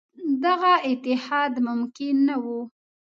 دغه اتحاد ممکن نه وو.